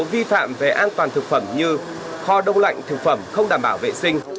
cơ sở kinh doanh vi phạm về an toàn thực phẩm như kho đông lạnh thực phẩm không đảm bảo vệ sinh